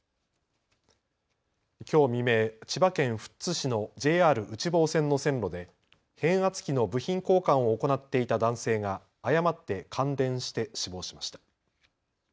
きょう未明、千葉県富津市のＪＲ内房線の線路で変圧器の部品交換を行っていた男性が誤って感電して死亡しました。